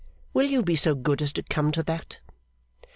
Will you be so good as come to that?